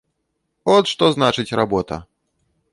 От што значыць работа!